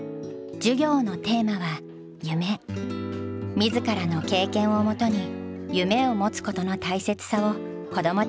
自らの経験をもとに夢を持つことの大切さを子どもたちに伝えている。